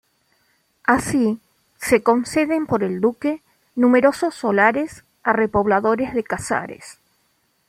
Así, se conceden por el duque numerosos solares a repobladores de Casares.